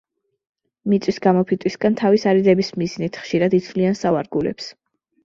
მიწის გამოფიტვისგან თავის არიდების მიზნით, ხშირად იცვლიან სავარგულებს.